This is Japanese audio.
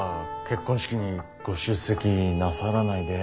結婚式にご出席なさらないで。